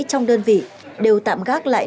trong đơn vị đều tạm gác lại